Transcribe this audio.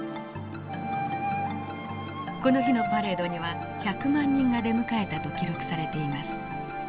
この日のパレードには１００万人が出迎えたと記録されています。